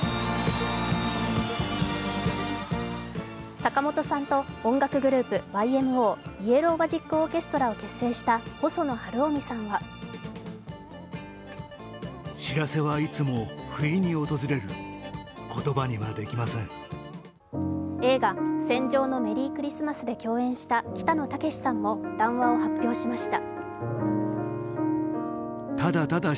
坂本さんと音楽グループＹＭＯ＝イエロー・マジック・オーケストラを結成した細野晴臣さんは映画「戦場のメリークリスマス」で共演した北野武さんも談話を発表しました。